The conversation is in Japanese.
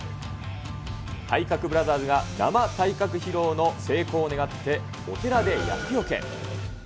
体格ブラザーズが生体格披露の成功を願って、お寺で厄よけ。